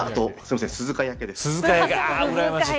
うらやましい。